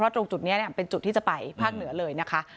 ตรงจุดนี้เป็นจุดที่จะไปภาคเหนือเลยนะคะ